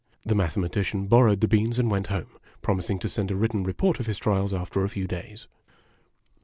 The Mathematician borrowed the beans, and went home, promis ing to send a written report of his trials after a few clays.